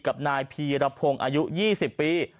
กับนายพีรพงศ์อายุ๒๐ปี